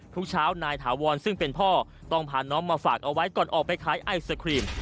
ทุกเช้านายถาวรซึ่งเป็นพ่อต้องพาน้องมาฝากเอาไว้ก่อนออกไปขายไอศครีม